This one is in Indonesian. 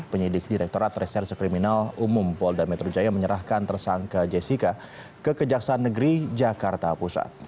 penyidik direkturat reserse kriminal umum polda metro jaya menyerahkan tersangka jessica ke kejaksaan negeri jakarta pusat